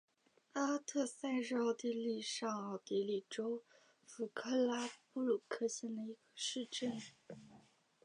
阿特塞是奥地利上奥地利州弗克拉布鲁克县的一个市镇。